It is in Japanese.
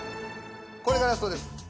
これがラストです。